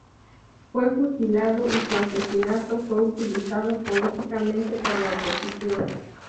Fue fusilado y su asesinato fue utilizado políticamente por la oposición.